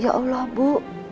ya allah bu